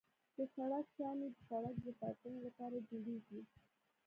د سړک شانې د سړک د ساتنې لپاره جوړیږي